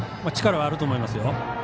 力はあると思いますよ。